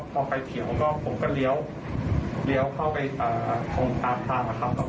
พอที่เทียบแล้วผมก็เลี้ยวเข้าไปโทรศาสตร์ครับ